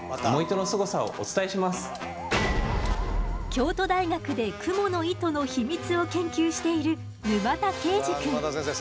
京都大学でクモの糸の秘密を研究しているあ沼田先生